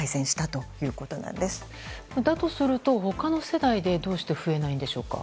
そうだとすると、他の世代でどうして増えないんでしょうか。